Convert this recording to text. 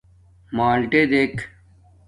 مݳلٹݺ دݵک.